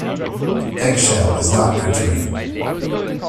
Eggshell is not good to eat.